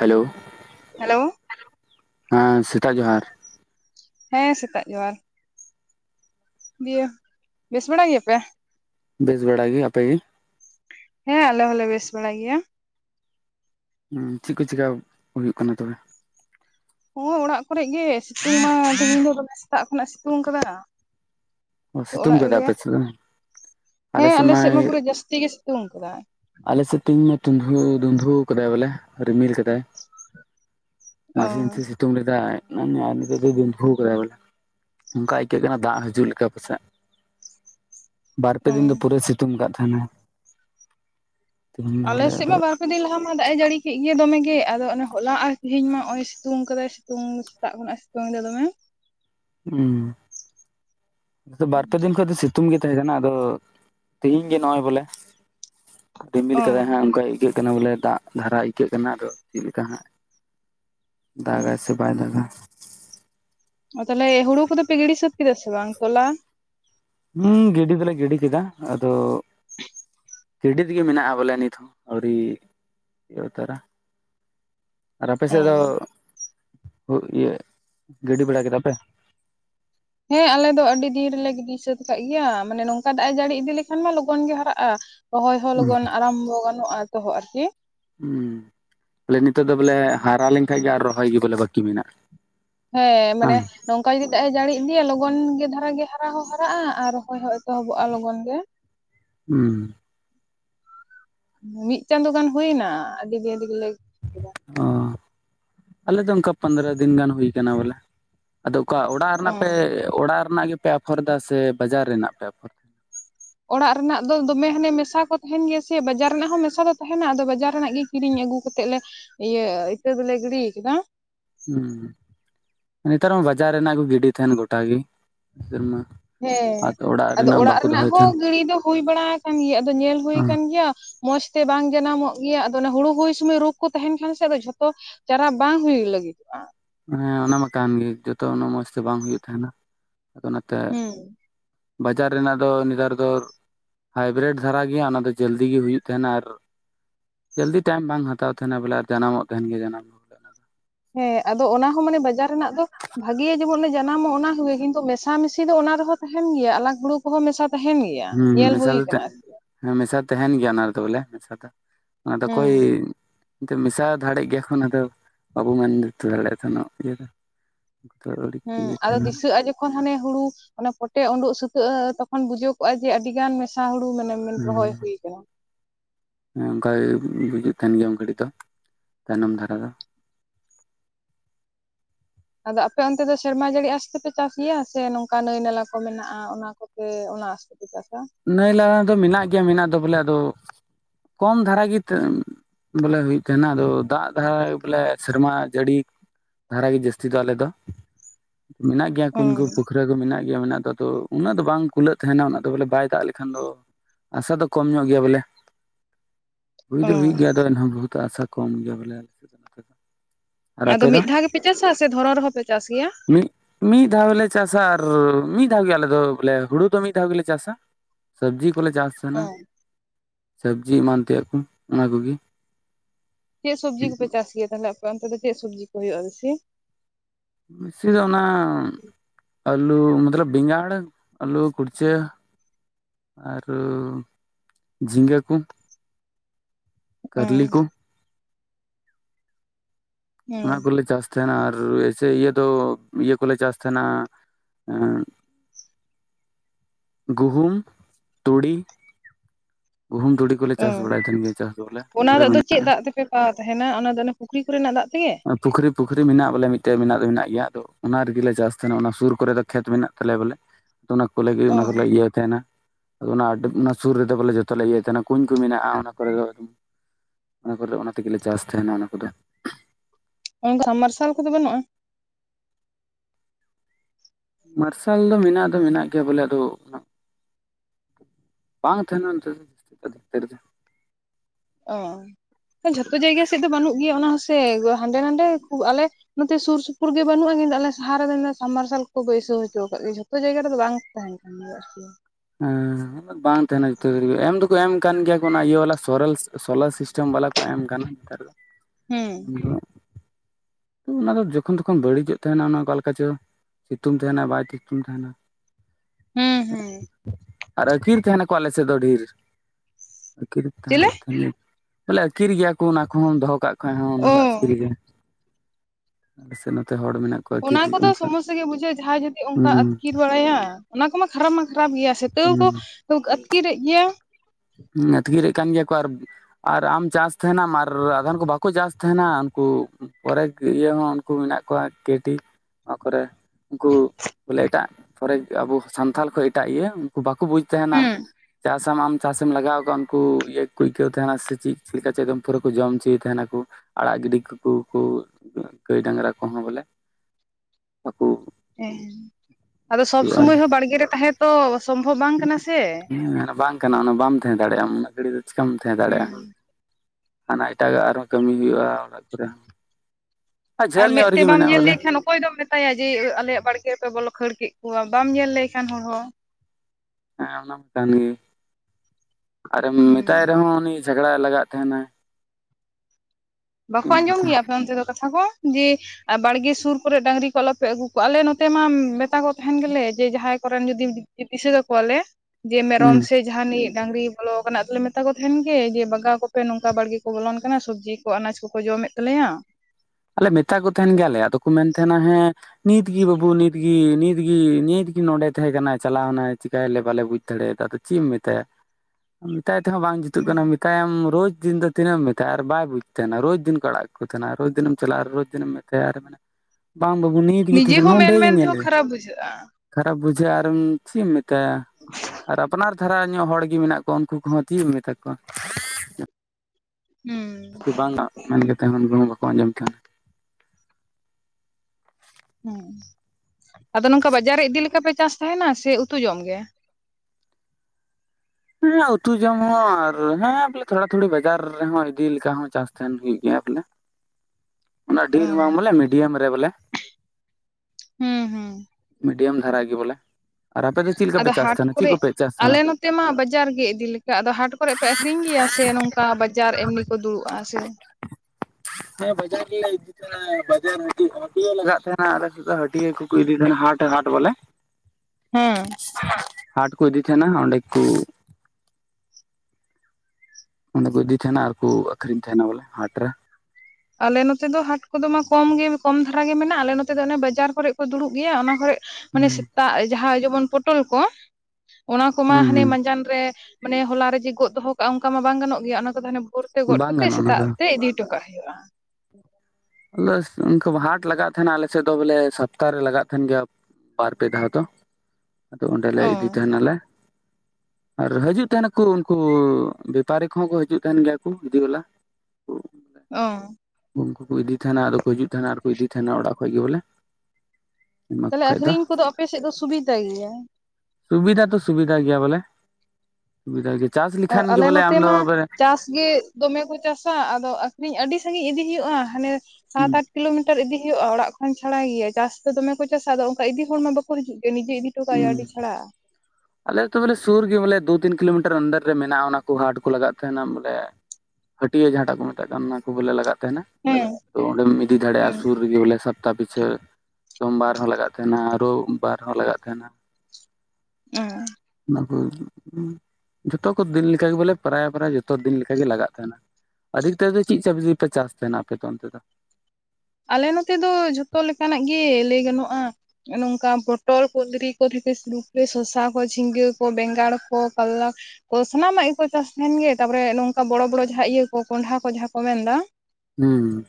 Hello. Hello. ᱦᱮᱸ ᱥᱮᱛᱟᱜ ᱡᱚᱦᱟᱨ᱾ ᱦᱮᱸ ᱥᱮᱛᱟᱜ ᱡᱚᱦᱟᱨ᱾ ᱫᱤᱭᱮ ᱵᱮᱥ ᱵᱟᱲᱟ ᱜᱮᱭᱟ ᱯᱮ? ᱵᱮᱥ ᱵᱟᱲᱟ ᱜᱮ᱾ ᱟᱯᱮ ᱜᱮ? ᱦᱮᱸ ᱟᱞᱮ ᱦᱚᱸᱞᱮ ᱵᱮᱥ ᱵᱟᱲᱟ ᱜᱮᱭᱟ᱾ ᱦᱩᱸ ᱪᱮᱫ ᱠᱚ ᱪᱮᱠᱟ ᱦᱩᱭᱩᱜ ᱠᱟᱱᱟ ᱛᱚᱵᱮ? ᱦᱚᱸᱜ-ᱚᱭ ᱚᱲᱟᱜ ᱠᱚᱨᱮᱜ ᱜᱮ ᱥᱤᱛᱩᱝ ᱢᱟ ᱛᱮᱦᱮᱧ ᱫᱚ ᱢᱚᱢᱮ ᱥᱮᱛᱟᱜ ᱠᱷᱚᱱᱟᱜ-ᱮ ᱥᱤᱛᱩᱝ ᱠᱟᱫᱟ᱾ ᱚ ᱥᱤᱛᱩᱝ ᱚᱲᱟᱜ ᱠᱟᱫᱟ ᱨᱮᱜᱮ᱾ ᱟᱯᱮ ᱥᱮᱫ ᱫᱚ ᱦᱮᱸ ᱟᱞᱮ ᱥᱮᱫ ᱢᱟ ᱯᱩᱨᱟᱹ ᱡᱟᱹᱥᱛᱤ ᱜᱮ ᱥᱤᱛᱩᱝ ᱠᱟᱫᱟ᱾ ᱟᱞᱮ ᱥᱮᱫ ᱛᱮᱦᱮᱧ ᱢᱟ [inaudible] ᱫᱩᱸᱫᱩᱣ ᱠᱟᱫᱟᱭ ᱵᱚᱞᱮ ᱨᱤᱢᱤᱞ ᱠᱟᱫᱟᱭ᱾ ᱚ [unintelligible] ᱛᱩᱝ ᱞᱮᱫᱟᱭ [unintelligible] ᱟᱨ ᱱᱤᱛᱚᱜ ᱫᱚ ᱫᱩᱫᱷᱩᱣ ᱠᱟᱫᱟᱭ ᱵᱚᱞᱮ ᱱᱚᱝᱠᱟ ᱟᱹᱭᱠᱟᱹᱜ ᱠᱟᱱᱟ ᱫᱟᱜ ᱦᱤᱡᱩᱜ ᱞᱮᱠᱟ᱾ [unintelligible] ᱵᱟᱨ ᱯᱮ ᱫᱤᱱ ᱚᱸ ᱫᱚ ᱯᱩᱨᱟᱹ ᱥᱤᱛᱩᱝ ᱠᱟᱜ ᱛᱟᱦᱮᱱᱟᱭ᱾ ᱟᱞᱮ ᱥᱮᱫ ᱢᱟ ᱵᱟᱨ ᱯᱮ ᱫᱤᱱ ᱞᱟᱦᱟ ᱢᱟ ᱫᱟᱜ ᱮ ᱡᱟᱹᱲᱤ ᱠᱮᱫ ᱜᱮ ᱫᱚᱢᱮ ᱜᱮ ᱟᱫᱚ ᱚᱱᱟ ᱦᱚᱞᱟ ᱟᱨ ᱛᱤᱦᱤᱧ ᱢᱟ ᱦᱚᱸ-ᱚᱭ ᱥᱤᱛᱩᱝ ᱠᱟᱫᱟᱭ᱾ ᱥᱤᱛᱩᱝ ᱫᱚ ᱥᱮᱛᱟᱜ ᱠᱷᱚᱱᱟᱜ-ᱮ ᱥᱤᱛᱩᱝ ᱫᱟ ᱫᱚᱢᱮ᱾ ᱩᱸ ᱱᱤᱛᱚᱜ ᱵᱟᱨ ᱯᱮ ᱫᱤᱱ ᱠᱷᱚᱡ ᱫᱚ ᱥᱤ ᱛᱩᱝ ᱜᱮ ᱛᱟᱦᱮᱸ ᱠᱟᱱᱟ ᱟᱫᱚ ᱛᱤᱦᱤᱧ ᱜᱮ ᱱᱚᱜᱼᱚᱭ ᱵᱚᱞᱮ ᱨᱤᱢᱤᱞ ᱚ ᱠᱟᱫᱟᱭ ᱦᱟᱸᱜ ᱚᱱᱠᱟ ᱟᱹᱭᱠᱟᱹᱜ ᱠᱟᱱᱟ ᱵᱚᱞᱮ ᱫᱟᱜ ᱫᱷᱟᱨᱟ ᱟᱹᱭᱠᱟᱹᱜ ᱠᱟᱱᱟ ᱟᱫᱚ ᱪᱮᱫ ᱞᱮᱠᱟ ᱦᱟᱸᱜ᱾ ᱦᱩᱸ ᱫᱟᱜᱟᱭ ᱥᱮ ᱵᱟᱭ ᱫᱟᱜᱟ᱾ ᱚ ᱛᱟᱞᱦᱮ ᱦᱩᱲᱩ ᱠᱚᱫᱚᱯᱮ ᱜᱤᱲᱤ ᱥᱟᱹᱛ ᱠᱮᱫᱟ ᱥᱮ ᱵᱟᱝ ᱛᱚᱞᱟ? ᱦᱩᱸ ᱜᱤᱰᱤ ᱫᱚᱞᱮ ᱜᱤᱰᱤ ᱠᱮᱫᱟ ᱟᱫᱚ [inaudible] ᱜᱤᱰᱤ ᱛᱮᱜᱮ ᱢᱮᱱᱟᱜᱼᱟ ᱵᱚᱞᱮ ᱱᱤᱛ ᱦᱚᱸ ᱟᱹᱣᱨᱤ ᱤᱭᱟᱹ ᱩᱛᱟᱹᱨᱟ᱾ ᱟᱨ ᱟᱯᱮ ᱚ ᱥᱮᱫ ᱫᱚ ᱦᱩᱜ ᱤᱭᱟᱹ ᱜᱤᱰᱤ ᱵᱟᱲᱟ ᱠᱮᱫᱟ ᱯᱮ? ᱦᱮᱸ ᱟᱞᱮ ᱫᱚ ᱟᱹᱰᱤ ᱫᱤᱱ ᱨᱮᱞᱮ ᱜᱤᱰᱤ ᱥᱟᱹᱛ ᱠᱟᱜ ᱜᱮᱭᱟ, ᱢᱟᱱᱮ ᱱᱚᱝᱠᱟ ᱫᱟᱜ-ᱮ ᱡᱟᱹᱲᱤ ᱤᱫᱤ ᱞᱮᱠᱷᱟᱱ ᱢᱟ ᱞᱚᱜᱚᱱ ᱜᱮ ᱦᱟᱨᱟᱜᱼᱟ᱾ ᱨᱚᱦᱚᱭ ᱦᱚᱸ ᱦᱩᱸ ᱞᱚᱜᱚᱱ ᱟᱨᱟᱢᱵᱚ ᱜᱟᱱᱚᱜᱼᱟ ᱮᱛᱚᱦᱚᱵ ᱟᱨᱠᱤ᱾ ᱦᱩᱸ ᱵᱚᱞᱮ ᱱᱤᱛᱚᱜ ᱫᱚ ᱵᱚᱞᱮ ᱦᱟᱨᱟ ᱞᱮᱱᱠᱷᱟᱡ ᱜᱮ ᱟᱨ ᱨᱚᱦᱚᱭ ᱜᱮ ᱵᱚᱞᱮ ᱵᱟᱠᱤ ᱢᱮᱱᱟᱜᱼᱟ᱾ ᱦᱮᱸ ᱢᱟᱱᱮ ᱵᱟᱝ ᱱᱚᱝ ᱠᱟ ᱡᱩᱫᱤ ᱫᱟᱜ ᱮ ᱡᱟᱹᱲᱤ ᱤᱫᱤᱭᱟ ᱞᱚᱜᱚᱱ ᱜᱮ ᱫᱷᱟᱨᱟᱜ ᱜᱮ ᱦᱟᱨᱟ ᱦᱚᱸ ᱦᱟᱨᱟᱜᱼᱟ ᱟᱨ ᱨᱚᱦᱚᱭ ᱦᱚᱸ ᱮᱛᱚᱦᱚᱵᱚᱜᱼᱟ ᱞᱚᱜᱚᱱ ᱜᱮ ᱦᱩᱸ ᱢᱤᱫ ᱪᱟᱸᱫᱚ ᱜᱟᱱ ᱦᱩᱭᱱᱟ ᱟᱹᱰᱤ ᱫᱤᱱ ᱨᱮᱜᱮᱞᱮ ᱠᱮᱫᱟ᱾ ᱚ ᱟᱞᱮ ᱫᱚ ᱚᱱᱠᱟ ᱯᱚᱱᱨᱚ ᱫᱤᱱ ᱜᱟᱱ ᱦᱩᱭ ᱠᱟᱱᱟ ᱵᱚᱞᱮ᱾ ᱟᱫᱚ ᱚᱠᱟ ᱚᱲᱟᱜ ᱚ ᱨᱮᱱᱟᱜ ᱯᱮ ᱚᱲᱟᱜ ᱨᱮᱱᱟᱜ ᱜᱮᱯᱮ ᱟᱯᱷᱚᱨ ᱮᱫᱟ ᱥᱮ ᱵᱟᱡᱟᱨ ᱨᱮᱱᱟᱜ ᱯᱮ ᱟᱯᱷᱚᱨ ᱫᱟ? ᱚᱲᱟᱜ ᱨᱮᱱᱟᱜ ᱫᱚ ᱫᱚᱢᱮ ᱦᱟᱱᱮ ᱢᱮᱥᱟ ᱠᱚ ᱛᱟᱦᱮᱱ ᱜᱮᱭᱟ ᱥᱮ ᱵᱟᱡᱟᱨ ᱨᱮᱱᱟᱜ ᱦᱚᱸ ᱢᱮᱥᱟ ᱫᱚ ᱛᱟᱦᱮᱱᱟ ᱟᱫᱚ ᱵᱟᱡᱟᱨ ᱨᱮᱱᱟᱜ ᱜᱮ ᱠᱤᱨᱤᱧ ᱟᱹᱜᱩ ᱠᱟᱛᱮᱫ ᱞᱮ ᱤᱭᱟᱹ ᱤᱛᱟᱹ ᱫᱚᱞᱮ ᱜᱤᱲᱤ ᱟᱠᱟᱫᱟ᱾ ᱦᱩᱸ ᱱᱮᱛᱟᱨ ᱢᱟ ᱵᱟᱡᱟᱨ ᱨᱮᱱᱟᱜ ᱠᱚ ᱜᱤᱰᱤ ᱛᱟᱦᱮᱱ ᱜᱚᱴᱟ ᱜᱮ ᱱᱮᱛᱟᱨᱢᱟ᱾ ᱦᱮᱸ ᱟᱫᱚ ᱚᱲᱟᱜ ᱨᱮᱱᱟᱜ ᱦᱚᱸ ᱜᱤᱲᱤ ᱫᱚ ᱦᱩᱭ ᱵᱟᱲᱟ ᱠᱟᱱ ᱜᱮᱭᱟ ᱟᱫᱚ ᱧᱮᱞ ᱦᱩᱭ ᱦᱩᱸ ᱠᱟᱱ ᱜᱮᱭᱟ᱾ ᱢᱚᱸᱡᱽᱛᱮ ᱵᱟᱝ ᱡᱟᱱᱟᱢᱚᱜ ᱜᱮᱭᱟ ᱟᱫᱚ ᱚᱱᱟ ᱦᱩᱲᱩ ᱦᱩᱭ ᱥᱩᱢᱚᱭ ᱨᱳᱜᱽ ᱠᱚ ᱛᱟᱦᱮᱱ ᱠᱷᱟᱱ ᱥᱮ ᱟᱫᱚ ᱡᱷᱚᱛᱚ ᱪᱟᱨᱟ ᱵᱟᱝ ᱦᱩᱭᱩᱜ ᱞᱟᱹᱜᱤᱫᱚᱜᱼᱟ᱾ ᱦᱮᱸ ᱚᱱᱟ ᱢᱟ ᱠᱟᱱ ᱜᱮ ᱡᱚᱛᱚ ᱩᱱᱟᱹᱜ ᱢᱚᱸᱡᱽᱛᱮ ᱵᱟᱝ ᱦᱩᱭᱩᱜ ᱛᱟᱦᱮᱱᱟ ᱟᱫᱚ ᱚᱱᱟᱛᱮ ᱦᱩᱸ ᱵᱟᱡᱟᱨ ᱨᱮᱱᱟᱜ ᱫᱚ ᱱᱮᱛᱟᱨ ᱫᱚ ᱦᱟᱭᱵᱨᱮᱰ ᱫᱷᱟᱨᱟ ᱜᱮᱭᱟ ᱚᱱᱟ ᱫᱚ ᱡᱟᱞᱫᱤ ᱜᱮ ᱦᱩᱭᱩᱜ ᱛᱟᱦᱮᱱᱟ ᱟᱨ ᱡᱟᱞᱫᱤ ᱴᱟᱭᱤᱢ ᱵᱟᱝ ᱦᱟᱛᱟᱣ ᱛᱟᱦᱮᱱᱟᱭ ᱵᱚᱞᱮ ᱟᱨ ᱡᱟᱱᱟᱢᱚᱜ ᱛᱟᱦᱮᱱ ᱜᱮᱭᱟ ᱡᱟᱱᱟᱢ ᱫᱚ ᱵᱚᱞᱮ ᱚᱱᱟ ᱫᱚ᱾ ᱦᱮᱸ ᱟᱫᱚ ᱚᱱᱟ ᱦᱚᱸ ᱢᱟᱱᱮ ᱵᱟᱡᱟᱨ ᱨᱮᱱᱟᱜ ᱫᱚ ᱵᱷᱟᱜᱮᱭᱟ ᱡᱮᱢᱚᱱ ᱚᱱᱮ ᱡᱟᱱᱟᱢᱚᱜ ᱚᱱᱟ ᱠᱚᱜᱮ ᱠᱤᱱᱛᱩ ᱢᱮᱥᱟ ᱢᱤᱥᱤ ᱫᱚ ᱚᱱᱟ ᱨᱮᱦᱚᱸ ᱛᱟᱦᱮᱱ ᱜᱮᱭᱟ ᱟᱞᱟᱜᱽ ᱦᱩᱲᱩ ᱠᱚᱦᱚᱸ ᱢᱮᱥᱟ ᱛᱟᱦᱮᱱ ᱜᱮᱭᱟ ᱦᱩᱸ ᱧᱮᱞ ᱢᱮᱥᱟ ᱦᱩᱭ ᱫᱚ ᱠᱟᱱᱟ ᱟᱨᱠᱤ᱾ ᱦᱮᱸ ᱢᱮᱥᱟ ᱛᱟᱦᱮᱱ ᱜᱮᱭᱟ ᱚᱱᱟ ᱨᱮᱫᱚ ᱵᱚᱞᱮ ᱢᱮᱥᱟ ᱫᱚ, ᱚᱱᱟᱫᱚ ᱦᱩᱸ ᱠᱳᱭ ᱮᱱᱛᱮᱜ ᱢᱮᱥᱟ ᱫᱟᱲᱮᱜ ᱜᱮᱭᱟ ᱠᱚ ᱚᱱᱟᱫᱚ ᱵᱟᱵᱚ ᱢᱮᱱ ᱫᱟᱲᱮᱭᱟᱜ-ᱟ ᱛᱚ ᱚᱱᱟ ᱤᱛᱟᱹ ᱫᱚ ᱠᱟᱹᱣᱲᱤ ᱠᱩ ᱦᱩᱸ ᱤᱭᱟᱹ ᱟᱫᱚ ᱛᱟᱦᱤᱱᱟ᱾ ᱫᱤᱥᱟᱹᱜᱼᱟ ᱡᱚᱠᱷᱚᱱ ᱦᱟᱱᱮ ᱦᱩᱲᱩ ᱚᱱᱮ ᱯᱚᱴᱮ ᱩᱰᱩᱜ ᱥᱟᱹᱛᱟᱹᱜᱼᱟ ᱛᱚᱠᱷᱚᱱ ᱵᱩᱡᱚᱜᱼᱟ ᱡᱮ ᱟᱹᱰᱤ ᱜᱟᱱ ᱢᱮᱥᱟ ᱦᱩᱲᱩ ᱢᱟᱱᱮ ᱨᱚᱦᱚᱭ ᱦᱩᱭ ᱠᱟᱱᱟ᱾ ᱦᱮᱸ ᱚᱱᱠᱟ ᱵᱩᱡᱷᱟᱹᱜ ᱛᱟᱦᱮᱱ ᱜᱮᱭᱟ ᱩᱱᱜᱷᱟᱲᱤᱡ ᱫᱚ ᱛᱟᱭᱱᱚᱢ ᱫᱷᱟᱨᱟ ᱫᱚ᱾ ᱟᱫᱚ ᱟᱯᱮ ᱚᱱᱛᱮ ᱫᱚ ᱥᱮᱨᱢᱟ ᱡᱟᱹᱲᱤ ᱟᱸᱥ ᱛᱮᱯᱮ ᱪᱟᱥ ᱜᱮᱭᱟ ᱥᱮ ᱱᱚᱝᱠᱟ ᱱᱟᱹᱭ ᱱᱟᱞᱟ ᱠᱚ ᱢᱮᱱᱟᱜᱼᱟ ᱚᱱᱟ ᱠᱚᱛᱮ ᱚᱱᱟ ᱟᱸᱥ ᱛᱮᱯᱮ ᱪᱟᱥᱟ᱾ ᱱᱟᱹᱭ ᱞᱟᱞᱟ ᱫᱚ ᱢᱮᱱᱟᱜ ᱜᱮᱭᱟ ᱢᱮᱱᱟᱜ ᱫᱚ ᱵᱚᱞᱮ ᱟᱫᱚ ᱠᱚᱢ ᱫᱷᱟᱨᱟ ᱜᱮ ᱵᱚᱞᱮ ᱦᱩᱭᱩᱜ ᱛᱟᱦᱮᱸᱱᱟ ᱟᱫᱚ ᱫᱟᱜ ᱫᱷᱟᱨᱟ ᱜᱮ ᱵᱚᱞᱮ ᱥᱮᱨᱢᱟ ᱡᱟᱹᱲᱤ ᱫᱷᱟᱨᱟ ᱜᱮ ᱡᱟᱹᱥᱛᱤ ᱫᱚ ᱟᱞᱮ ᱫᱚ᱾ ᱢᱮᱱᱟᱜ ᱜᱮᱭᱟ ᱠᱩᱧ ᱚᱸ ᱠᱚ ᱯᱩᱠᱷᱨᱟᱹ ᱠᱚ ᱢᱮᱱᱟᱜ ᱜᱮᱭᱟ ᱢᱮᱱᱟᱜ ᱫᱚ ᱟᱫᱚ ᱩᱱᱟᱹᱜ ᱫᱚ ᱵᱟᱝ ᱠᱷᱩᱞᱟᱹᱜ ᱛᱟᱦᱮᱱᱟ ᱩᱱᱟᱹᱜ ᱫᱚ ᱵᱚᱞᱮ ᱵᱟᱭ ᱫᱟᱜ ᱞᱮᱠᱷᱟᱱ ᱫᱚ ᱟᱥᱟ ᱫᱚ ᱠᱚᱢ ᱧᱚᱜ ᱜᱮᱭᱟ ᱵᱚᱞᱮ᱾ ᱦᱩᱭ ᱫᱚ ᱚᱸ ᱦᱩᱭᱩᱜ ᱜᱮᱭᱟ ᱟᱫᱚ ᱮᱱᱦᱚᱸ ᱵᱚᱦᱩᱛ ᱟᱥᱟ ᱠᱚᱢ ᱜᱮᱭᱟ ᱵᱚᱞᱮ ᱟᱞᱮ ᱥᱮᱫ ᱫᱚ ᱱᱚᱛᱮ ᱫᱚ᱾ ᱟᱨ ᱟᱫᱚ ᱟᱯᱮ ᱫᱚ ᱢᱤᱫ ᱫᱷᱟᱣ ᱜᱮᱯᱮ ᱪᱟᱥᱟ ᱥᱮ ᱫᱷᱚᱨᱚᱱ ᱨᱮᱦᱚᱸ ᱯᱮ ᱪᱟᱥ ᱜᱮᱭᱟ? ᱢᱤᱫ ᱢᱤᱫ ᱫᱷᱟᱣᱞᱮ ᱪᱟᱥᱟ ᱟᱨ ᱢᱤᱫ ᱫᱷᱟᱣ ᱜᱮ ᱟᱞᱮ ᱫᱚ ᱵᱚᱞᱮ ᱦᱩᱲᱩ ᱫᱚ ᱢᱤᱫ ᱫᱷᱟᱣ ᱜᱮᱞᱮ ᱪᱟᱥᱟ᱾ ᱥᱚᱵᱽᱡᱤ ᱠᱚᱞᱮ ᱪᱟᱥ ᱛᱟᱦᱮᱱᱟ᱾ ᱚᱸ ᱥᱚᱵᱽᱡᱤ ᱮᱢᱟᱱ ᱛᱮᱭᱟᱜ ᱠᱚ ᱚᱱᱟ ᱠᱚᱜᱮ ᱪᱮᱫ ᱥᱚᱵᱽᱡᱤ ᱠᱚᱯᱮ ᱪᱟᱥ ᱜᱮᱭᱟ ᱛᱟᱞᱦᱮ ᱟᱯᱮ ᱚᱱᱛᱮ ᱫᱚ ᱪᱮᱫ ᱥᱚᱵᱽᱡᱤ ᱠᱚ ᱦᱩᱭᱩᱜᱼᱟ ᱵᱮᱥᱤ? ᱵᱮᱥᱤ ᱫᱚ ᱚᱱᱟ ᱟᱹᱞᱩ ᱢᱚᱛᱞᱚᱵᱽ ᱵᱮᱸᱜᱟᱲ ᱟᱞᱩ ᱠᱩᱲᱪᱟᱹ ᱟᱨᱩ ᱡᱷᱤᱸᱜᱟᱹ ᱠᱩ ᱚᱸ ᱠᱟᱨᱞᱤ ᱠᱩ ᱚᱸ ᱚᱱᱟ ᱠᱚᱨᱮ ᱞᱮ ᱪᱟᱥ ᱛᱟᱦᱮᱱᱟ ᱟᱨ ᱡᱮᱭᱥᱮ ᱤᱭᱟᱹ ᱫᱚ ᱤᱭᱟᱹ ᱠᱚᱞᱮ ᱪᱟᱥ ᱛᱟᱦᱮᱱᱟ ᱮᱸ ᱜᱩᱦᱩᱢ ᱛᱩᱲᱤ ᱜᱩᱦᱩᱢ ᱛᱩᱲᱤ ᱠᱩᱞᱮ ᱪᱟᱥ ᱚᱸ ᱵᱟᱲᱟᱭ ᱛᱟᱦᱮᱱ ᱜᱮᱭᱟ ᱪᱟᱥ ᱫᱚ ᱵᱚᱞᱮ ᱚᱱᱟ ᱯᱩᱨᱟᱹ ᱫᱟᱜ ᱫᱚ ᱢᱮᱱᱟᱜ ᱪᱮᱫ ᱫᱟᱜ ᱛᱮᱯᱮ ᱯᱟᱣᱟᱣ ᱛᱟᱦᱮᱱᱟ ᱚᱱᱟ ᱫᱚ ᱚᱱᱮ ᱯᱩᱠᱷᱨᱤ ᱠᱚ ᱨᱮᱱᱟᱜ ᱫᱟᱜ ᱛᱮᱜᱮ᱾ ᱢᱮᱱᱟᱜᱼᱟ ᱯᱩᱠᱷᱨᱤ ᱯᱩᱠᱷᱨᱤ ᱢᱮᱱᱟᱜ ᱵᱚᱞᱮ ᱢᱤᱫᱴᱮᱡ ᱢᱮᱱᱟᱜ ᱢᱮᱱᱟᱜ ᱜᱮᱭᱟ ᱟᱫᱚ ᱚᱱᱟ ᱨᱤᱜᱤ ᱞᱮ ᱪᱟᱥ ᱛᱟᱦᱮᱱᱟ ᱚᱱᱟ ᱥᱩᱨ ᱠᱚᱨᱮ ᱫᱚ ᱠᱷᱮᱛ ᱢᱮᱱᱟᱜ᱾ ᱠᱟᱞᱮ ᱵᱚᱞᱮ ᱚᱱᱟ ᱠᱚ ᱞᱟᱜᱤ ᱚᱱᱟ ᱚᱸ ᱠᱚᱞᱮ ᱤᱭᱟᱹ ᱛᱟᱦᱮᱱᱟ ᱟᱫᱚ ᱚᱱᱟ ᱚᱱᱟ ᱥᱩᱨ ᱨᱮᱫᱚ ᱵᱚᱞᱮ ᱡᱚᱛᱚᱞᱮ ᱤᱭᱟᱹ ᱛᱟᱦᱮᱱᱟ ᱠᱩᱧ ᱠᱚ ᱢᱮᱱᱟᱜ-ᱟ ᱚᱱᱟ ᱠᱚᱨᱮ ᱫᱚ ᱚᱱᱟ ᱠᱚᱨᱮ ᱚᱱᱟ ᱛᱮᱜᱮᱞᱮ ᱪᱟᱥ ᱛᱟᱦᱮᱱᱟ ᱚᱱᱟ ᱠᱚᱫᱚ᱾ ᱚᱱᱠᱟ ᱢᱟᱨᱥᱟᱞ ᱠᱚᱫᱚ ᱵᱟᱹᱱᱩᱜ-ᱟ? ᱢᱟᱨᱥᱟᱞ ᱫᱚ ᱢᱮᱱᱟᱜ ᱫᱚ ᱢᱮᱱᱟᱜ ᱜᱮᱭᱟ ᱵᱚᱞᱮ ᱟᱫᱚ ᱵᱟᱝ ᱛᱟᱦᱮᱱᱟ ᱚᱱᱟ ᱫᱚ [unintelligible] ᱚ ᱡᱷᱚᱛᱚ ᱡᱟᱭᱜᱟ ᱥᱮᱫ ᱫᱚ ᱵᱟᱹᱱᱩᱜ ᱜᱮᱭᱟ ᱚᱱᱟ ᱦᱚᱸ ᱥᱮ ᱦᱟᱸᱰᱮ ᱱᱟᱰᱮ ᱠᱷᱩᱵᱽ ᱟᱞᱮ ᱱᱚᱛᱮ ᱥᱩᱨ ᱥᱩᱯᱩᱨ ᱜᱮ ᱵᱟᱹᱱᱩᱜ-ᱟ ᱠᱤᱱᱛᱩ ᱟᱞᱮ ᱥᱟᱦᱟ ᱨᱮᱫᱚ ᱥᱟᱢ ᱢᱟᱨᱥᱟᱞ ᱠᱚ ᱵᱟᱹᱭᱥᱟᱹᱣ ᱦᱚᱪᱚ ᱟᱠᱟᱫ ᱜᱮᱭᱟ ᱡᱷᱚᱛᱚ ᱡᱟᱭᱜᱟ ᱨᱮᱫᱚ ᱵᱟᱝ ᱠᱚ ᱛᱟᱦᱮᱱ ᱠᱟᱱ ᱯᱮᱭᱟᱜ ᱥᱤᱢ [unintelligible] ᱮᱸ ᱦᱩᱸ ᱵᱟᱝ ᱛᱟᱦᱮᱱᱟ ᱡᱚᱛᱚ [unintelligible] ᱮᱢ ᱫᱚᱠᱚ ᱮᱢ ᱠᱟᱱ ᱜᱮᱭᱟ ᱠᱚ ᱚᱱᱟ ᱤᱭᱟᱹ ᱵᱟᱞᱟ ᱥᱚᱞᱚᱨᱥ ᱥᱚᱞᱚᱨ ᱥᱤᱥᱴᱮᱢ ᱵᱟᱞᱟ ᱠᱚ ᱮᱢ ᱠᱟᱱᱟ᱾ ᱛᱟᱨ ᱦᱮᱸ ᱚᱱᱟ ᱫᱚ ᱡᱚᱠᱷᱚᱱ ᱛᱚᱠᱷᱚᱱ ᱵᱟᱹᱲᱤᱡᱚᱜ ᱛᱟᱦᱮᱱᱟ ᱚᱱᱟ ᱚᱠᱟ ᱞᱮᱠᱟ ᱪᱚ ᱥᱤᱛᱩᱝ ᱛᱟᱦᱮᱱᱟ ᱵᱟᱭ ᱥᱤᱛᱩᱝ ᱛᱟᱦᱮᱱᱟ᱾ ᱦᱩᱸ ᱦᱩᱸ ᱟᱨ ᱟᱹᱠᱤᱨ ᱛᱟᱦᱮᱱᱟ ᱠᱚ ᱟᱞᱮ ᱥᱮᱫ ᱫᱚ ᱰᱷᱤᱨ᱾ ᱟᱹᱠᱤᱨᱛᱟᱲ ᱪᱮᱞᱮ ᱛᱚ ᱵᱚᱞᱮ ᱟᱹᱠᱤᱨ ᱜᱮᱭᱟ ᱠᱚ ᱚᱱᱟ ᱠᱚᱦᱚᱸᱢ ᱫᱚᱦᱚ ᱠᱟᱜ ᱠᱷᱟᱱ ᱦᱚᱸ ᱚᱱᱟ ᱚ ᱢᱩᱥᱠᱤᱞ ᱜᱮ᱾ ᱟᱞᱮ ᱥᱮ ᱱᱚᱛᱮ ᱦᱚᱲ ᱢᱮᱱᱟᱜ ᱠᱚᱣᱟ ᱚᱱᱟ ᱟᱹᱠᱤᱨ ᱠᱚᱫᱚ ᱩᱱᱠᱩ ᱥᱚᱢᱚᱥᱟ ᱜᱮᱢ ᱵᱩᱡᱷᱟᱹᱜ-ᱟ ᱡᱟᱦᱟᱸᱭ ᱡᱩᱫᱤ ᱚᱱᱠᱟ ᱦᱩᱸ ᱟᱹᱛᱠᱤᱨ ᱵᱟᱲᱟᱭᱟ᱾ ᱚᱱᱟ ᱠᱚᱢᱟ ᱠᱷᱟᱨᱟᱯ ᱢᱟ ᱠᱷᱟᱨᱟᱯ ᱜᱮᱭᱟ ᱥᱮ ᱛᱟᱹᱣ ᱠᱚ ᱦᱩᱸ ᱛᱟᱹᱣ ᱟᱹᱛᱠᱤᱨᱮᱫ ᱜᱮᱭᱟ᱾ ᱦᱩᱸ ᱟᱛᱠᱤᱨ ᱮᱫ ᱠᱟᱱ ᱜᱮᱭᱟ ᱠᱚ ᱟᱨ ᱟᱨ ᱟᱢ ᱪᱟᱥ ᱛᱟᱦᱮᱱᱟᱢ ᱟᱨ ᱟᱫᱷᱚᱱ ᱠᱩ ᱵᱟᱠᱩ ᱪᱟᱥ ᱛᱟᱦᱮᱱᱟ ᱩᱱᱠᱩ ᱯᱚᱨᱮ ᱤᱭᱟᱹ ᱦᱚᱸ ᱠᱩ ᱢᱮᱱᱟᱜ ᱠᱚᱣᱟ ᱠᱮᱴᱤ ᱱᱚᱣᱟ ᱠᱚᱨᱮ ᱩᱱᱠᱩ ᱵᱚᱞᱮ ᱮᱴᱟᱜ ᱠᱚᱨᱮ ᱟᱵᱚ ᱥᱟᱱᱛᱷᱟᱞ ᱠᱷᱚᱡ ᱮᱴᱟᱜ ᱤᱭᱟᱹ ᱵᱟᱠᱚ ᱵᱩᱡᱽ ᱛᱟᱦᱮᱱᱟ ᱦᱩᱸ ᱪᱟᱥ ᱟᱢ ᱪᱟᱥᱮᱢ ᱞᱟᱜᱟᱣ ᱟᱠᱚᱣᱟ ᱩᱱᱠᱩ ᱤᱭᱟᱹ ᱠᱩ ᱟᱹᱭᱠᱟᱹᱣ ᱛᱟᱦᱮᱱᱟ ᱥᱮ ᱪᱤᱫ ᱪᱤ ᱞᱮᱠᱟ ᱪᱚ ᱯᱩᱨᱟᱹ ᱠᱚ ᱡᱚᱢ ᱚᱪᱩᱭ ᱛᱟᱦᱮᱱᱟ ᱠᱚ᱾ ᱟᱲᱟᱜ ᱜᱤᱰᱤ ᱠᱟᱠᱩ ᱠᱩ ᱜᱟᱹᱭ ᱰᱟᱝᱨᱟ ᱠᱚᱦᱚᱸ ᱵᱚᱞᱮ ᱵᱟᱠᱚ ᱦᱮᱸ ᱟᱫᱚ ᱧᱮᱞ ᱥᱚᱵᱽ ᱥᱩᱢᱟᱹᱭ ᱦᱚᱸ ᱵᱟᱲᱜᱮ ᱨᱮ ᱛᱟᱦᱮᱸ ᱛᱚ ᱥᱚᱢᱵᱷᱚᱵᱽ ᱵᱟᱝ ᱠᱟᱱᱟ ᱥᱮ ᱦᱩᱸ ᱵᱟᱝ ᱠᱟᱱᱟ ᱚᱱᱟ ᱵᱟᱢ ᱛᱟᱦᱮᱸ ᱫᱟᱲᱮ-ᱟᱢ ᱩᱱᱟᱹᱜ ᱜᱷᱟᱹᱲᱤ ᱫᱚ ᱪᱤᱠᱟᱢ ᱛᱟᱦᱮᱸ ᱫᱟᱲᱮᱜ-ᱟ᱾ ᱦᱩᱸ ᱦᱟᱱᱟ ᱮᱴᱟᱜᱟᱜ ᱟᱨᱦᱚᱸ ᱠᱟᱹᱢᱤ ᱦᱩᱭᱩᱜ-ᱟ ᱚᱲᱟᱜ ᱠᱚᱨᱮ ᱦᱚᱸ ᱟᱨ ᱡᱷᱟᱹᱞ ᱢᱮᱫ ᱧᱚᱜ ᱛᱮ ᱨᱮᱜᱮ ᱵᱟᱢ ᱢᱮᱱᱟᱜ-ᱟ ᱧᱮᱞ ᱵᱚᱞᱮ᱾ ᱞᱮᱠᱷᱟᱱ ᱚᱠᱚᱭ ᱫᱚᱢ ᱢᱮᱛᱟᱭᱟ ᱡᱮ ᱟᱞᱮᱭᱟᱜ ᱵᱟᱲᱜᱮ ᱯᱮ ᱵᱚᱞᱚ ᱠᱷᱟᱹᱲ ᱠᱮᱫ ᱠᱚᱣᱟ ᱵᱟᱢ ᱧᱮᱞ ᱞᱮᱠᱷᱟᱱ ᱦᱚᱲ ᱦᱚᱸ᱾ ᱦᱮᱸ ᱚᱱᱟ ᱢᱟ ᱠᱟᱱ ᱜᱮ ᱟᱨᱮᱢ ᱢᱮᱛᱟᱭ ᱦᱩᱸ ᱨᱮᱦᱚᱸ ᱩᱱᱤ ᱡᱷᱟᱜᱽᱲᱟ ᱞᱟᱜᱟᱜ ᱛᱟᱦᱮᱱᱟ᱾ ᱵᱟᱠᱚ ᱟᱸᱡᱚᱢ ᱢᱮᱛᱟᱭᱟ ᱜᱮᱭᱟ ᱟᱯᱮ ᱚᱱᱛᱮ ᱫᱚ ᱠᱟᱛᱷᱟ ᱠᱚ ᱡᱮ ᱟᱨ ᱵᱟᱲᱜᱮ ᱥᱩᱨ ᱠᱚᱨᱮ ᱰᱟᱝᱨᱤ ᱠᱚ ᱟᱞᱚᱯᱮ ᱟᱹᱜᱩ ᱠᱚᱣᱟ ᱟᱞᱮ ᱱᱚᱛᱮ ᱢᱟ ᱢᱮᱛᱟ ᱠᱚ ᱛᱟᱦᱮᱱ ᱜᱮᱞᱮ ᱡᱮ ᱡᱟᱦᱟᱸᱭ ᱠᱚᱨᱮᱱ ᱡᱩᱫᱤ ᱫᱤᱥᱟᱹ ᱠᱟᱠᱚᱣᱟᱞᱮ ᱡᱮ ᱢᱮᱨᱚᱢ ᱦᱩᱸ ᱥᱮ ᱡᱟᱦᱟᱱᱤᱡ ᱰᱟᱝᱨᱤ ᱵᱚᱞᱚ ᱟᱠᱟᱱᱟ ᱛᱚᱞᱮ ᱢᱮᱛᱟ ᱠᱚ ᱛᱟᱦᱮᱱ ᱜᱮ ᱡᱮ ᱵᱟᱜᱟᱣ ᱠᱚᱯᱮ ᱱᱚᱝᱠᱟ ᱵᱟᱲᱜᱮ ᱠᱚ ᱵᱚᱞᱚᱱ ᱠᱟᱱᱟ ᱥᱚᱵᱽᱡᱤ ᱠᱚ ᱟᱱᱟᱡᱽ ᱠᱚᱠᱚ ᱡᱚᱢᱮᱫ ᱛᱟᱞᱮᱭᱟ᱾ ᱟᱞᱮ ᱢᱮᱛᱟ ᱠᱚ ᱛᱟᱦᱮᱱ ᱜᱮᱭᱟᱞᱮ ᱟᱫᱚ ᱠᱚ ᱢᱮᱱ ᱛᱟᱦᱮᱱᱟ ᱦᱮᱸ ᱱᱤᱛᱜᱤ ᱵᱟᱹᱵᱩ ᱱᱤᱛᱜᱤ ᱱᱤᱛᱜᱤ ᱱᱤᱛᱜᱤ ᱱᱚᱸᱰᱮ ᱛᱟᱦᱮᱸ ᱠᱟᱱᱟᱭ ᱪᱟᱞᱟᱣᱱᱟᱭ ᱪᱤᱠᱟᱭᱟᱞᱮ ᱵᱟᱞᱮ ᱵᱩᱡᱽ ᱫᱟᱲᱮᱭᱟᱫᱟ ᱟᱫᱚ ᱪᱤᱢ ᱢᱮᱛᱟᱭᱟ, ᱢᱮᱛᱟᱭ ᱛᱮᱦᱚᱸ ᱵᱟᱝ ᱡᱩ ᱛᱩᱜ ᱠᱟᱱᱚᱢ ᱢᱮᱛᱟᱭᱟᱢ ᱨᱳᱡᱽᱫᱤᱱ ᱫᱚ ᱛᱤᱱᱟᱜ ᱮᱢ ᱢᱮᱛᱟᱭ-ᱟ ᱟᱨ ᱵᱟᱭ ᱵᱩᱡᱽ ᱛᱟᱦᱮᱱᱟ ᱨᱳᱡᱽᱫᱤᱱ ᱠᱚ ᱟᱲᱟᱜ ᱠᱚ ᱛᱟᱦᱮᱱᱟ ᱨᱳᱡᱽᱫᱤᱱᱮᱢ ᱪᱟᱞᱟᱜ-ᱟ ᱟᱨ ᱨᱳᱡᱽ ᱫᱤᱱᱮᱢ ᱢᱮᱛᱟᱭᱟ ᱟᱨᱮ ᱢᱮᱱᱟ ᱵᱟᱝ ᱵᱟᱹᱵᱩ ᱱᱤᱛᱜᱤ ᱛᱟᱦᱮᱸ ᱱᱤᱡᱮ ᱠᱟᱱᱟ ᱦᱚᱸ ᱢᱮᱱ ᱱᱚᱸᱰᱮ ᱜᱤᱧ ᱢᱮᱱ ᱛᱮᱦᱚᱸ ᱧᱮᱞᱞᱮᱫᱮ ᱠᱷᱟᱨᱟᱯ ᱵᱩᱡᱷᱟᱹᱜᱼᱟ ᱠᱷᱟᱨᱟᱯ ᱵᱩᱡᱷᱟᱹᱜ-ᱟ ᱟᱨᱮᱢ ᱪᱤᱢ ᱢᱮᱛᱟᱭᱟ ᱟᱨ ᱟᱯᱱᱟᱨ ᱫᱷᱟᱨᱟ ᱧᱚᱜ ᱦᱚᱲ ᱜᱮ ᱢᱮᱱᱟᱜ ᱠᱚᱣᱟ ᱩᱱᱠᱩ ᱠᱚᱦᱚᱸ ᱪᱤᱵᱤ ᱢᱮᱛᱟ ᱠᱚᱣᱟ᱾ ᱦᱩᱸ ᱵᱟᱝ ᱢᱮᱱ ᱠᱟᱛᱮ ᱦᱚᱸ ᱵᱟᱠᱚ ᱟᱸᱡᱚᱢ ᱛᱟᱦᱮᱱ ᱦᱮᱸ, ᱟᱫᱚ ᱱᱚᱝᱠᱟ ᱵᱟᱡᱟᱨ ᱨᱮ ᱤᱫᱤ ᱞᱮᱠᱟ ᱯᱮ ᱪᱟᱥ ᱛᱟᱦᱮᱱᱟ ᱥᱮ ᱩᱛᱩ ᱡᱚᱢ ᱜᱮ? ᱦᱮᱸ ᱩᱛᱩ ᱡᱚᱢ ᱦᱚᱸ ᱟᱨ ᱦᱮᱸ ᱵᱚᱞᱮ ᱛᱷᱚᱲᱟ ᱛᱷᱩᱲᱤ ᱵᱟᱡᱟᱨ ᱨᱮᱦᱚᱸ ᱤᱫᱤ ᱞᱮᱠᱟ ᱦᱚᱸ ᱪᱟᱥ ᱛᱟᱦᱮᱱ ᱦᱩᱭᱩᱜ ᱜᱮᱭᱟ ᱵᱚᱞᱮ᱾ ᱩᱱᱟᱹᱜ ᱚ ᱰᱷᱮᱨ ᱵᱟᱝ ᱦᱚᱸ ᱵᱚᱞᱮ ᱢᱤᱰᱤᱭᱟᱢ ᱨᱮ ᱵᱚᱞᱮ᱾ ᱦᱮᱸ ᱦᱮᱸ᱾ ᱢᱤᱰᱤᱭᱟᱢ ᱫᱷᱟᱨᱟ ᱜᱮ ᱵᱚᱞᱮ ᱟᱨ ᱟᱯᱮ ᱫᱚ ᱪᱮᱫ ᱞᱮᱠᱟᱯᱮ ᱪᱟᱥ ᱛᱟᱦᱮᱱᱟ ᱪᱮᱫ ᱠᱚᱯᱮ ᱪᱟᱥ ᱛᱟᱦᱮᱱᱟ? ᱛᱮ ᱢᱟ ᱵᱟᱡᱟᱨ ᱜᱮ ᱤᱫᱤ ᱞᱮᱠᱟ ᱟᱫᱚ ᱦᱟᱴ ᱠᱚᱨᱮᱜ ᱯᱮ ᱟᱠᱷᱨᱤᱧ ᱜᱮᱭᱟ ᱥᱮ ᱱᱚᱝᱠᱟ ᱵᱟᱡᱟᱨ ᱮᱢᱱᱤ ᱠᱚ ᱫᱩᱲᱩᱵᱼᱟ ᱥᱮ ᱦᱮᱸ ᱵᱡᱟᱨ ᱞᱮ ᱤᱫᱤ ᱥᱮᱱᱟᱜ ᱵᱟᱡᱟᱨ ᱦᱟᱹᱴᱤ ᱦᱟᱹᱴᱭᱟᱹ ᱞᱟᱜᱟᱜ ᱛᱟᱦᱮᱸᱱᱟ ᱟᱞᱮ ᱥᱮᱫ ᱫᱚ ᱦᱟᱹᱴᱭᱟᱹ ᱠᱚᱠᱚ ᱤᱫᱤᱭ ᱛᱟᱦᱮᱸᱱᱟ ᱦᱟᱴ ᱦᱟᱴ ᱵᱚᱞᱮ ᱦᱮᱸ᱾ ᱦᱟᱴ ᱠᱚ ᱤᱫᱤ ᱛᱟᱦᱮᱸᱱᱟ ᱚᱸᱰᱮ ᱠᱩ ᱚᱸᱰᱮ ᱠᱚ ᱤᱫᱤ ᱛᱟᱦᱮᱱᱟ ᱟᱨ ᱠᱩ ᱟᱠᱷᱨᱤᱧ ᱛᱟᱦᱮᱱᱟ ᱵᱚᱞᱮ ᱦᱟᱴ ᱨᱮ᱾ ᱟᱞᱮ ᱱᱚᱛᱮ ᱫᱚ ᱦᱟᱴ ᱠᱚᱫᱚ ᱢᱟ ᱠᱚᱢ ᱜᱮ ᱠᱚᱢ ᱫᱷᱟᱨᱟ ᱜᱮ ᱢᱮᱱᱟᱜᱼᱟ, ᱟᱞᱮ ᱱᱚᱛᱮ ᱫᱚ ᱚᱱᱮ ᱵᱟᱡᱟᱨ ᱠᱚᱨᱮ ᱠᱚ ᱫᱩᱲᱩᱵ ᱜᱮᱭᱟ ᱚᱱᱟ ᱠᱚᱨᱮᱜ ᱢᱟᱱᱮ ᱦᱩᱸ ᱥᱮᱛᱟᱜ ᱡᱟᱦᱟᱸ ᱡᱮᱢᱚᱱ ᱯᱚᱴᱚᱞ ᱠᱚ, ᱚᱱᱟ ᱠᱚᱢᱟ ᱦᱩᱸ ᱦᱟᱱᱮ ᱦᱩᱸ ᱢᱟᱸᱡᱟᱱ ᱨᱮ ᱢᱟᱱᱮ ᱦᱚᱞᱟ ᱨᱮ ᱡᱮ ᱜᱚᱫᱽ ᱫᱚᱦᱚ ᱠᱟᱜᱼᱟ ᱚᱱᱠᱟ ᱢᱟ ᱵᱟᱝ ᱜᱟᱱᱚᱜ ᱜᱮᱭᱟ ᱚᱱᱟ ᱠᱚᱫᱚ ᱦᱟᱱᱮ ᱵᱷᱳᱨ ᱛᱮ ᱜᱚᱫ ᱵᱟᱝ ᱠᱟᱛᱮ ᱜᱟᱱᱚᱜᱼᱟ ᱚᱱᱟ ᱥᱮᱛᱟᱜ ᱫᱚ ᱛᱮ ᱤᱫᱤ ᱦᱚ ᱴᱚ ᱠᱟᱜ ᱦᱩᱭᱩᱜᱼᱟ᱾ ᱟᱞᱮ ᱥᱮᱫ ᱫᱚ ᱚᱱᱠᱟ ᱦᱟᱴ ᱞᱟᱜᱟᱜ ᱛᱟᱦᱮᱱᱟ ᱟᱞᱮ ᱥᱮᱫ ᱫᱚ ᱵᱚᱞᱮ ᱥᱟᱛᱴᱟ ᱨᱮ ᱞᱟᱜᱟᱜ ᱛᱟᱦᱮᱱ ᱜᱮᱭᱟ᱾ ᱵᱟᱨ ᱯᱮ ᱫᱷᱟᱣ ᱫᱚ ᱟᱫᱚ ᱚᱸᱰᱮᱞᱮ ᱚ ᱤᱫᱤ ᱛᱟᱦᱮᱱᱟ ᱞᱮ᱾ [inaudible] ᱟᱨ ᱦᱤᱡᱩᱜ ᱛᱟᱦᱮᱱᱟᱠᱩ ᱩᱱᱠᱩ ᱵᱮᱯᱟᱨᱤ ᱠᱚᱦᱚᱸ ᱠᱚ ᱦᱤᱡᱩᱜ ᱛᱟᱦᱮᱱ ᱜᱮᱭᱟ ᱠᱩ ᱤᱫᱤᱵᱟᱞᱟ᱾ ᱚᱸ᱾ ᱩᱱᱠᱩ ᱠᱚ ᱤᱫᱤ ᱛᱟᱦᱮᱱᱟ ᱟᱫᱚ ᱠᱚ ᱦᱤᱡᱩᱜ ᱛᱟᱦᱮᱱᱟ ᱟᱨ ᱠᱚ ᱤᱫᱤ ᱛᱟᱦᱮᱱᱟ ᱚᱲᱟᱜ ᱠᱷᱚᱡ ᱜᱮ ᱵᱚᱞᱮ᱾ ᱮᱢᱟ ᱠᱚ ᱛᱟᱦᱚᱞᱮ ᱠᱷᱟᱡ ᱫᱚ ᱟᱠᱷᱨᱤᱧ ᱠᱚᱫᱚ ᱟᱯᱮᱥᱮᱫ ᱫᱚ ᱥᱩᱵᱤᱫᱟ ᱜᱮᱭᱟ᱾ ᱥᱩᱵᱤᱫᱟ ᱛᱚ ᱥᱩᱵᱤᱫᱷᱟ ᱜᱮᱭᱟ ᱵᱚᱞᱮ, ᱥᱩᱵᱤᱫᱷᱟ ᱜᱮᱭᱟ ᱪᱟᱥ ᱞᱮᱠᱷᱟᱱ ᱜᱮ ᱟᱞᱮ ᱵᱚᱞᱮ ᱱᱚᱛᱮ ᱟᱢ ᱫᱚ ᱢᱟ ᱵᱚᱨᱮ ᱪᱟᱥ ᱜᱮ ᱫᱚᱢᱮ ᱠᱚ ᱪᱟᱥᱟ ᱟᱫᱚ ᱟᱹᱠᱷᱨᱤᱧ ᱟᱹᱰᱤ ᱥᱟᱺᱜᱤᱧ ᱤᱫᱤ ᱦᱩᱭᱩᱜᱼᱟ ᱦᱟᱱᱮ ᱥᱟᱛ ᱦᱩᱸ ᱟᱴ ᱠᱤᱞᱳᱢᱤᱴᱟᱨ ᱤᱫᱤ ᱦᱩᱭᱩᱜᱼᱟ ᱚᱲᱟᱜ ᱠᱷᱚᱱ ᱪᱷᱟᱲᱟ ᱜᱮᱭᱟ ᱪᱟᱥ ᱫᱚ ᱫᱚᱢᱮ ᱠᱚ ᱪᱟᱥᱟ ᱟᱫᱚ ᱚᱱᱠᱟ ᱤᱫᱤ ᱦᱚᱲ ᱢᱟ ᱵᱟᱠᱚ ᱦᱤᱡᱩᱜ ᱜᱮᱭᱟ ᱱᱤᱡᱮ ᱤᱫᱤ ᱦᱚᱴᱚ ᱠᱟᱜ ᱦᱩᱸ ᱦᱩᱭᱩᱜᱼᱟ ᱟᱹᱰᱤ ᱪᱷᱟᱲᱟ᱾ ᱟᱞᱮ ᱟᱹᱛᱩ ᱵᱚᱞᱮ ᱥᱩᱨ ᱜᱮ ᱵᱚᱞᱮ ᱫᱩ ᱛᱤᱱ ᱠᱤᱞᱳᱢᱤᱴᱟᱨ ᱟᱱᱰᱟᱨ ᱨᱮ ᱢᱮᱱᱟᱜᱼᱟ ᱚᱱᱟ ᱠᱚ ᱦᱟᱴ ᱠᱚ ᱞᱟᱜᱟᱜ ᱛᱟᱦᱮᱱᱟ ᱵᱚᱞᱮ᱾ ᱦᱟᱹᱴᱭᱟᱹ ᱡᱟᱦᱟᱸᱴᱟᱜ ᱠᱚ ᱢᱮᱛᱟᱜ ᱠᱟᱱ ᱚᱱᱟ ᱠᱚ ᱵᱚᱞᱮ ᱞᱟᱜᱟᱜ ᱛᱟᱦᱮᱱᱟ ᱦᱮᱸ ᱛᱚ ᱚᱸᱰᱮᱢ ᱤᱫᱤ ᱫᱟᱲᱮᱜᱼᱟ ᱦᱮᱸ ᱥᱩᱨ ᱨᱮᱜᱮ ᱵᱚᱞᱮ ᱥᱟᱯ ᱛᱟ ᱯᱤᱪᱷᱟᱹ ᱥᱚᱢᱵᱟᱨ ᱦᱚᱸ ᱞᱟᱜᱟᱜ ᱛᱟᱦᱮᱱᱟ ᱨᱳᱵ ᱵᱟᱨ ᱦᱚᱸ ᱞᱟᱜᱟᱜ ᱛᱟᱦᱮᱱᱟ᱾ ᱚ᱾ ᱚᱱᱟ ᱠᱚ ᱡᱚᱛᱚ ᱠᱚ ᱫᱤᱱ ᱞᱮᱠᱟ ᱜᱮ ᱵᱚᱞᱮ ᱯᱨᱟᱭ ᱯᱨᱟᱭ ᱡᱚᱛᱚ ᱫᱤᱱ ᱞᱮᱠᱟᱜᱮ ᱞᱟᱜᱟᱜ ᱛᱟᱦᱮᱱᱟ᱾ ᱟᱫᱷᱤᱠᱛᱟ ᱫᱚ ᱪᱮᱫ ᱪᱟᱵᱽᱡᱤ ᱯᱮ ᱪᱟᱥ ᱛᱟᱦᱮᱱᱟ ᱟᱯᱮ ᱫᱚ ᱚᱱᱛᱮ ᱫᱚ? ᱟᱞᱮ ᱱᱚᱛᱮ ᱫᱚ ᱡᱷᱚᱛᱚ ᱞᱮᱠᱟᱱᱟᱜ ᱜᱮ ᱞᱟᱹᱭ ᱜᱟᱱᱚᱜᱼᱟ᱾ ᱱᱚᱝᱠᱟ ᱯᱚᱴᱚᱞ, ᱠᱩᱱᱫᱽᱨᱤ ᱠᱚ ᱛᱷᱮᱠᱮ ᱥᱩᱨᱩ ᱠᱚᱨᱮ ᱥᱚᱥᱟ ᱠᱚ ᱡᱷᱤᱸᱜᱟᱹ ᱠᱚ, ᱵᱮᱸᱜᱟᱲ ᱠᱚ, ᱠᱟᱞᱞᱟ ᱠᱚ ᱥᱟᱱᱟᱢᱟᱜ ᱜᱮᱠᱚ ᱪᱟᱥ ᱛᱟᱦᱮᱱ ᱜᱮ ᱛᱟᱨᱯᱚᱨᱮ ᱱᱚᱝᱠᱟ ᱵᱚᱲᱚ ᱵᱚᱲᱚ ᱡᱟᱦᱟᱸ ᱤᱭᱟᱹ ᱠᱚ ᱠᱚᱸᱰᱷᱟ ᱠᱚ ᱡᱟᱦᱟᱸ ᱠᱚ ᱢᱮᱱᱫᱟ᱾ ᱦᱩᱸ᱾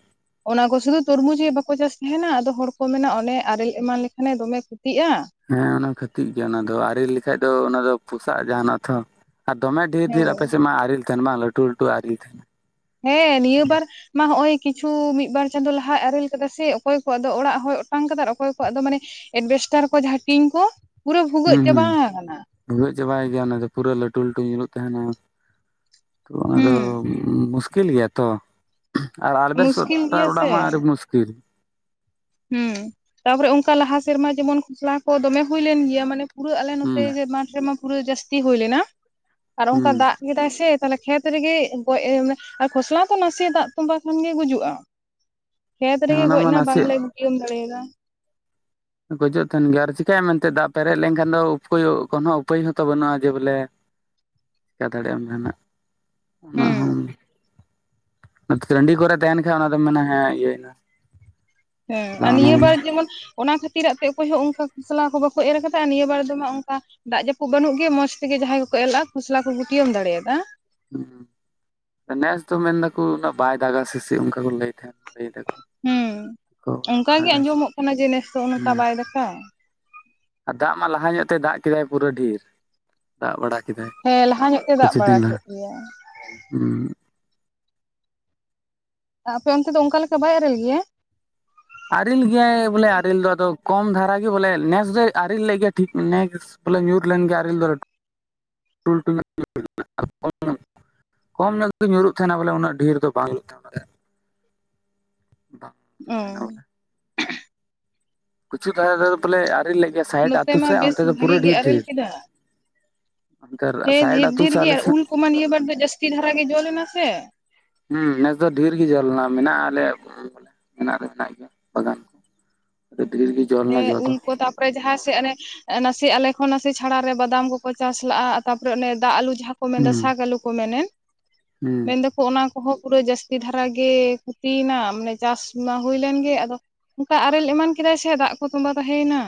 ᱚᱱᱟ ᱠᱚ ᱥᱩᱫᱩ ᱛᱩᱨᱢᱩᱡᱽ ᱜᱮ ᱵᱟᱠᱚ ᱪᱟᱥ ᱛᱟᱦᱮᱱᱟ ᱟᱫᱚ ᱦᱚᱲ ᱠᱚ ᱢᱮᱱᱟ ᱚᱱᱮ ᱟᱨᱮᱞ ᱮᱢᱟᱱ ᱞᱮᱠᱷᱟᱱᱮ ᱫᱚᱢᱮ ᱠᱷᱩᱛᱤᱜᱼᱟ᱾ ᱦᱮᱸ ᱚᱱᱟ ᱠᱷᱟᱹᱛᱤᱨ ᱜᱮ ᱚᱱᱟ ᱫᱚ ᱟᱨᱮᱞ ᱞᱮᱠᱷᱟᱡ ᱫᱚ ᱚᱱᱟ ᱫᱚ ᱯᱚᱥᱟᱜ ᱡᱟᱦᱟᱱᱚᱜ ᱛᱷᱚ᱾ ᱟᱨ ᱫᱚᱢᱮ ᱰᱷᱮᱨ ᱰᱷᱮᱨ ᱟᱯᱮᱥᱮᱫ ᱢᱟ ᱟᱨᱮᱞ ᱛᱟᱦᱮᱱ ᱵᱟᱝ ᱞᱟᱹᱴᱩ ᱞᱟᱹᱴᱩ ᱟᱨᱮᱞ ᱛᱟᱦᱮᱱᱟ᱾ ᱦᱮᱸ ᱱᱤᱭᱟᱹ ᱵᱟᱨ ᱢᱟ ᱦᱚᱸᱜ-ᱚᱭ ᱠᱤᱪᱷᱩ ᱢᱤᱫ ᱵᱟᱨ ᱪᱟᱸᱫᱳ ᱞᱟᱦᱟᱭ ᱟᱨᱮᱞ ᱠᱟᱫᱟ ᱥᱮ ᱚᱠᱚᱭ ᱠᱚᱣᱟᱜ ᱫᱚ ᱚᱲᱟᱜ ᱦᱚᱭ ᱚᱴᱟᱝ ᱠᱟᱫᱟ ᱟᱨ ᱚᱠᱚᱭ ᱠᱚᱣᱟᱜ ᱫᱚ ᱢᱟᱱᱮ ᱮᱰᱵᱮᱥᱴᱟᱨ ᱠᱚ ᱡᱟᱦᱟᱸ ᱴᱤᱱ ᱠᱚ ᱯᱩᱨᱟᱹ ᱵᱷᱩᱜᱟᱹᱜ ᱪᱟᱵᱟᱣ ᱠᱟᱱᱟ᱾ ᱰᱷᱩᱜᱟᱹᱜ ᱪᱟᱵᱟᱭ ᱜᱮᱭᱟ ᱱᱩᱭ ᱫᱚ ᱯᱩᱨᱟᱹ ᱞᱟᱹᱴᱩ ᱞᱟᱹᱴᱩ ᱧᱩᱨᱩᱜ ᱛᱟᱦᱮᱱᱟ᱾ ᱚ ᱚᱱᱟ ᱫᱚ ᱦᱩᱸ ᱢᱩᱥᱠᱤᱞ ᱜᱮᱭᱟ ᱛᱚ ᱟᱨ ᱢᱩᱥᱠᱤᱞ ᱟᱲᱵᱮᱥᱴᱟᱨ ᱜᱮᱭᱟ ᱚᱲᱟᱜ ᱥᱮ ᱢᱟ ᱟᱹᱰᱤ ᱢᱩᱥᱠ [unintelligible] ᱦᱩᱸ ᱛᱟᱯᱚᱨᱮ ᱚᱝᱠᱟ ᱞᱟᱦᱟ ᱥᱮᱨᱢᱟ ᱡᱮᱢᱚᱱ ᱠᱷᱚᱥᱞᱟ ᱠᱚ ᱫᱚᱢᱮ ᱦᱩᱭ ᱞᱮᱱ ᱜᱮᱭᱟ ᱢᱟᱱᱮ ᱯᱩᱨᱟᱹ ᱟᱞᱮ ᱦᱩᱸ ᱱᱚᱛᱮ ᱡᱮ ᱢᱟᱴᱷ ᱨᱮᱢᱟ ᱯᱩᱨᱟᱹ ᱡᱟᱹᱥᱛᱤ ᱦᱩᱭ ᱞᱮᱱᱟ ᱟᱨ ᱦᱩᱸ ᱚᱝᱠᱟ ᱫᱟᱜ ᱠᱮᱫᱟᱭ ᱥᱮ᱾ ᱛᱟᱦᱚᱞᱮ ᱠᱷᱮᱛ ᱨᱮᱜᱮ ᱜᱚᱡ ᱢᱟᱱᱮ ᱟᱨ ᱠᱷᱚᱥᱞᱟ ᱛᱚ ᱱᱟᱥᱮᱭᱟᱜ ᱫᱟᱜ ᱛᱚᱸᱵᱟ ᱠᱷᱟᱱ ᱜᱮ ᱜᱩᱡᱩᱜᱼᱟ᱾ ᱠᱷᱮᱛ ᱨᱮᱜᱮ ᱚᱱᱟ ᱜᱚᱡ ᱢᱟ ᱮᱱᱟ ᱱᱟᱥᱮ ᱵᱟᱝᱞᱮ ᱜᱩᱴᱤᱭᱚᱢ ᱫᱟᱲᱮᱭᱟᱫᱟ᱾ ᱜᱚᱡᱚᱜ ᱛᱟᱦᱮᱱ ᱜᱮᱭᱟ ᱟᱨ ᱪᱤᱠᱟᱭᱟᱢ ᱢᱮᱱᱛᱮ ᱫᱟᱜ ᱯᱮᱨᱮᱡ ᱞᱮᱱᱠᱷᱟᱱ ᱫᱚ ᱩᱯᱟᱹᱭ ᱠᱚᱱᱦᱚ ᱩᱯᱟᱹᱭ ᱦᱚᱸᱛᱚ ᱵᱟᱹᱱᱩᱜᱼᱟ ᱡᱮ ᱵᱚᱞᱮ [inaudible] ᱪᱮᱠᱟᱹ ᱫᱟᱲᱮᱜ ᱟᱢ ᱡᱟᱦᱱᱟᱜ, ᱚᱱᱟ ᱦᱩᱸ ᱦᱚᱸᱢ ᱴᱟᱺᱰᱤ ᱠᱚᱨᱮ ᱛᱟᱦᱮᱱ ᱠᱷᱟᱡ ᱚᱱᱟ ᱫᱚᱢ ᱢᱮᱱᱟ ᱦᱮᱸ ᱤᱭᱟᱹᱭᱱᱟ᱾ ᱦᱮᱸ ᱟᱨ ᱪᱟᱞᱟᱣᱱᱟ ᱱᱤᱭᱟᱹ ᱵᱚᱞᱮ ᱵᱟᱨ ᱡᱮᱢᱚᱱ ᱚᱱᱟ ᱠᱷᱟᱹᱛᱤᱨᱟᱜ ᱛᱮ ᱚᱠᱚᱭ ᱦᱚᱸ ᱚᱱᱠᱟ ᱠᱟᱥᱞᱟ ᱠᱚ ᱵᱟᱠᱚ ᱮᱨ ᱟᱠᱟᱫᱟ ᱟᱨ ᱱᱤᱭᱟᱹ ᱵᱟᱨ ᱫᱚᱢᱟ ᱚᱱᱠᱟ ᱫᱟᱜ ᱡᱟᱹᱯᱩᱫ ᱵᱟᱹᱱᱩᱜ ᱜᱮᱭᱟ ᱢᱚᱸᱡᱽ ᱛᱮᱜᱮ ᱡᱟᱦᱟᱸᱭ ᱠᱚᱠᱚ ᱮᱞ ᱞᱟᱜᱼᱟ ᱠᱷᱚᱥᱞᱟ ᱠᱚ ᱜᱟᱴᱤᱭᱟᱢ ᱫᱟᱲᱮᱭᱟᱫᱟ᱾ ᱦᱩᱸ ᱦᱩᱸ, ᱱᱮᱥ ᱫᱚ ᱢᱮᱱ ᱫᱟᱠᱚ ᱩᱱᱟᱹᱜ ᱵᱟᱭ ᱫᱟᱜᱟ ᱥᱮᱥᱮ ᱚᱱᱠᱟ ᱠᱚ ᱞᱟᱹᱭ ᱛᱟᱦᱮᱸᱱ ᱞᱟᱹᱭ ᱫᱟᱠᱚ᱾ ᱦᱩᱸ ᱚᱱᱠᱟ ᱜᱮ ᱫᱟᱜᱟᱭ ᱟᱸᱡᱚᱢᱚᱜ ᱠᱟᱱᱟ ᱡᱮ ᱱᱮᱥ ᱫᱚ ᱚᱱᱠᱟ ᱦᱩᱸ ᱵᱟᱭ ᱫᱟᱠᱼᱟ᱾ ᱟᱨ ᱫᱟᱜ ᱢᱟ ᱞᱟᱦᱟ ᱧᱚᱜ ᱛᱮ ᱫᱟᱜ ᱠᱮᱫᱟᱭ ᱯᱩᱨᱟᱹ ᱰᱷᱮᱨ᱾ ᱫᱟᱜ ᱵᱟᱲᱟ ᱠᱮᱫᱟᱭ ᱦᱮᱸ ᱞᱟᱦᱟ ᱧᱚᱜ ᱛᱮ ᱫᱟᱜ ᱠᱚᱪᱷᱩ ᱵᱟᱲᱟ ᱫᱤᱱ ᱞᱟᱦᱟ᱾ ᱠᱮᱫ ᱜᱮᱭᱟ ᱟ ᱟᱯᱮ ᱚᱱᱛᱮ ᱫᱚ ᱚᱱᱠᱟ ᱞᱮᱠᱟ ᱵᱟᱭ ᱟᱨᱮᱞ ᱜᱮᱭᱟ? ᱟᱨᱮᱞ ᱜᱮᱭᱟ ᱵᱚᱞᱮ ᱟᱨᱮᱞ ᱫᱚ ᱟᱫᱚ ᱠᱚᱢ ᱫᱷᱟᱨᱟᱜ ᱜᱮ ᱵᱚᱞᱮ ᱱᱮᱥ ᱫᱚᱭ ᱟᱨᱮᱞ ᱞᱮᱫ ᱜᱮᱭᱟ ᱴᱷᱤᱠ ᱱᱮᱜᱥ ᱵᱚᱞᱮ ᱧᱩᱨ ᱞᱮᱱ ᱜᱮᱭᱟ ᱟᱨᱮᱞ ᱫᱚ ᱞᱟᱹᱴᱩ [inaudible] ᱠᱚᱢ ᱧᱚᱜ ᱜᱮ ᱧᱩᱨᱩᱜ ᱛᱟᱦᱮᱱᱟ ᱵᱚᱞᱮ ᱩᱱᱟᱹᱜ ᱰᱷᱮᱨ ᱫᱚ ᱵᱟᱝ ᱧᱩᱨᱩᱜ ᱛᱟᱦᱮ ᱚᱱᱟ ᱨᱮᱭᱟᱜ᱾ ᱵᱟᱝ ᱚ ᱪᱮᱫᱠᱟ ᱦᱮᱱᱟ ᱵᱚᱞᱮ? ᱠᱚᱪᱷᱩ ᱫᱷᱟᱨᱮ ᱨᱮ ᱵᱚᱞᱮ ᱟᱨᱮᱞ ᱞᱮᱫ ᱜᱮ ᱥᱟᱭᱤᱫ ᱱᱚᱛᱮ ᱟᱹᱛᱩ ᱢᱟ ᱥᱮᱫ ᱵᱮᱥ ᱚᱱᱛᱮ ᱫᱚ ᱯᱩᱨᱟᱹ ᱵᱷᱟᱜᱤ ᱜᱮ ᱰᱷᱤᱨ ᱟᱨᱮᱞ ᱰᱷᱤᱨ᱾ ᱠᱮᱫᱟ ᱟᱹᱰᱤ ᱫᱷᱟᱨ ᱦᱮᱸ ᱥᱟᱟᱭᱰ ᱰᱷᱮᱨ ᱟᱛᱩ ᱰᱷᱮᱨ ᱥᱮᱫ ᱜᱮ ᱟᱞᱮ ᱟᱨ ᱫᱮᱸᱫᱷ᱾ ᱩᱞ ᱠᱚᱢᱟ ᱱᱤᱭᱟᱹ ᱵᱟᱨ ᱫᱚ ᱡᱟᱹᱥᱛᱤ ᱫᱷᱟᱨᱟ ᱜᱮ ᱡᱚ ᱞᱮᱱᱟ ᱥᱮ᱾ ᱦᱩᱸ ᱱᱮᱥ ᱫᱚ ᱰᱷᱮᱨ ᱜᱮ ᱡᱚ ᱞᱮᱱᱟ ᱢᱮᱱᱟᱜᱼᱟ ᱟᱞᱮᱭᱟᱜ ᱵᱚᱞᱮ ᱢᱮᱱᱟᱜ ᱫᱟ ᱢᱮᱱᱟᱜ ᱜᱮᱭᱟ ᱵᱟᱜᱟᱱ ᱠᱚ᱾ ᱟᱫᱚ ᱰᱷᱤᱨ ᱜᱮᱡ ᱦᱮᱸ ᱩᱞ ᱠᱚ ᱛᱟᱯᱚᱨᱮ ᱡᱟᱦᱟᱸ ᱥᱮᱫ ᱚᱱᱮ ᱮ ᱱᱟᱥᱮ ᱟᱞᱮ ᱠᱷᱚᱱ ᱱᱟᱥᱮ ᱪᱷᱟᱲᱟ ᱨᱮ ᱵᱟᱫᱟᱢ ᱠᱚᱠᱚ ᱪᱟᱥ ᱞᱟᱜᱼᱟ ᱛᱟᱯᱚᱨᱮ ᱫᱟᱜ ᱟᱞᱩ ᱡᱟᱦᱟᱸ ᱠᱚ ᱢᱮᱱᱫᱟ ᱦᱩᱸ ᱥᱟᱜ ᱟᱞᱩ ᱠᱚ ᱢᱮᱱᱮᱱ, ᱦᱩᱸ ᱢᱮᱱᱫᱟ ᱠᱚ ᱚᱱᱟ ᱠᱚᱦᱚᱸ ᱯᱩᱨᱟᱹ ᱡᱟᱹᱥᱛᱤ ᱫᱷᱟᱨᱟ ᱜᱮ ᱠᱷᱚᱛᱤᱭᱱᱟ ᱢᱟᱱᱮ ᱪᱟᱥ ᱢᱟ ᱦᱩᱭ ᱞᱮᱱ ᱜᱮ ᱟᱫᱚ ᱚᱱᱠᱟ ᱟᱨᱮᱞ ᱮᱢᱟᱱ ᱠᱮᱫᱟᱭ ᱥᱮ ᱫᱟᱜ ᱠᱚ ᱛᱚᱸᱵᱟ ᱛᱟᱦᱮᱸᱭᱮᱱᱟ᱾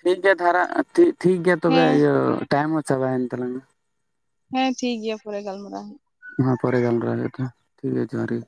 ᱴᱷᱤᱠ ᱜᱮᱭᱟ ᱫᱷᱟᱨᱟ ᱴᱷᱤ-ᱴᱷᱤᱠ ᱜᱮᱭᱟ ᱛᱚᱵᱮ ᱦᱮᱸ ᱤᱭᱟᱹ ᱴᱟᱭᱤᱢ ᱦᱚᱸ ᱪᱟᱵᱟᱭᱮᱱ ᱛᱟᱞᱟᱝᱟ᱾ ᱦᱮᱸ ᱴᱷᱤᱠ ᱜᱮᱭᱟ ᱯᱚᱨᱮ ᱜᱟᱞᱢᱟᱨᱟᱣ ᱦᱩᱭᱩᱜ᱾ ᱱᱚ ᱦᱥᱸᱜ ᱯᱮᱨᱮ ᱜᱟᱞᱢᱟᱨᱟᱣ ᱦᱩᱭᱩᱜ-ᱥ ᱛᱷᱚ, ᱴᱷᱤᱠ ᱜᱮᱭᱟ ᱡᱚᱸᱦᱟᱨ ᱜᱮ᱾